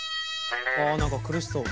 あ何か苦しそう。